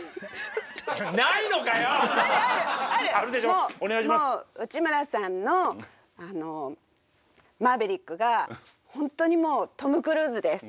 もう内村さんのあのマーヴェリックが本当にもうトム・クルーズです。